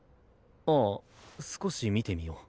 ああ少し見てみよう。